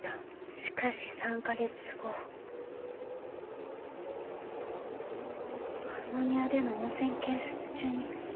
“しかし３ヵ月後”“パンノニアでの温泉建設中に”